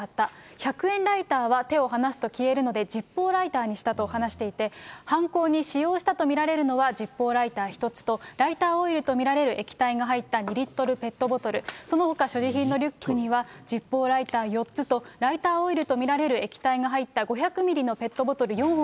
１００円ライターは手を離すと消えるので、ジッポーライターにしたと話していて、犯行に使用したと見られるのはジッポーライター１つと、ライターオイルと見られる液体が入った２リットルペットボトル、そのほか所持品のリュックには、ジッポーライター４つと、ライターオイルと見られる液体が入った５００ミリのペットボトル